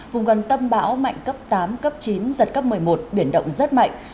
vùng gần tâm bão mạnh cấp tám cấp chín giật cấp một mươi một biển động rất mạnh